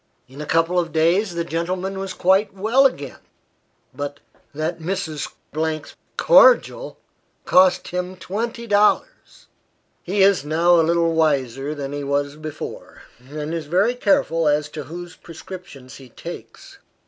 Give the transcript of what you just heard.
In a couple of days, the gentleman was quite well again; but that Mrs. 's cordial cost him twenty dollars. He is now a little wiser than he was before; and is very careful as to whose prescriptions he takes.